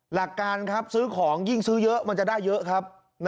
หลักการครับซื้อของยิ่งซื้อเยอะมันจะได้เยอะครับ